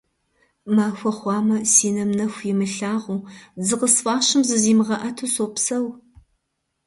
Махуэ хъуамэ си нэм нэху имылъагъуу, дзы къысфӀащым зызимыгъэӀэту сопсэу.